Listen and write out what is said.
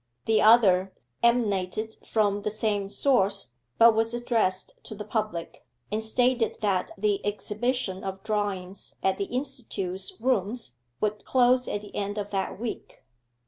The other emanated from the same source, but was addressed to the public, and stated that the exhibition of drawings at the Institute's rooms would close at the end of that week.